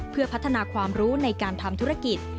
เพื่อพัฒนาความรู้ในการทำธุรกิจ